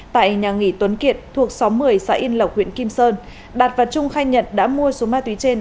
tại nhà nghỉ tuấn kiệt thuộc xóm một mươi xã yên lộc huyện kim sơn đạt và trung khai nhận đã mua số ma túy trên